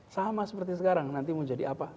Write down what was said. sama seperti sekarang nanti mau jadi apa